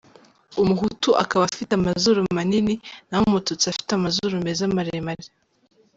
Umuhutu akaba afite amazuru manini naho Umututsi afite amazuru meza maremare.